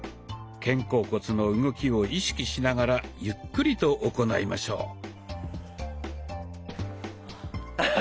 肩甲骨の動きを意識しながらゆっくりと行いましょう。